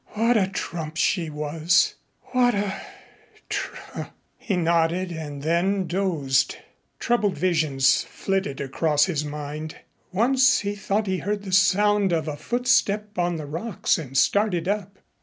What a trump she was What a tr He nodded and then dozed. Troubled visions flitted across his mind. Once he thought he heard the sound of a footstep on the rocks and started up.